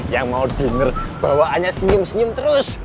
yang mau denger bawaannya senyum senyum terus